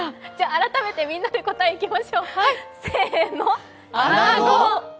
改めてみんなで答えいきましょう。